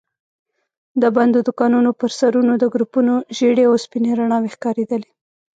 د بندو دوکانونو پر سرونو د ګروپونو ژېړې او سپينې رڼا وي ښکارېدلې.